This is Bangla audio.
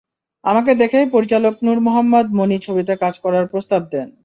আমাকে দেখেই পরিচালক নূর মোহাম্মদ মনি ছবিতে কাজ করার প্রস্তাব দেন।